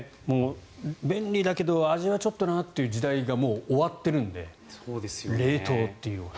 便利だけど味はちょっとなという時代がもう終わっているので冷凍という。